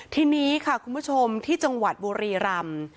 ทีนี้ค่ะคุณผู้ชมที่จังหวัดบุรีรำ